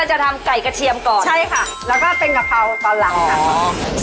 ใช่ค่ะแล้วก็เป็นกะเพราตอนหลัง